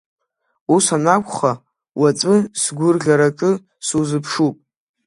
Ус анакәха, уаҵәы сгәырӷьараҿы сузыԥшуп.